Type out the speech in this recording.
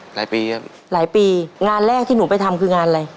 หลายปีครับหลายปีงานแรกที่หนูไปทำคืองานอะไร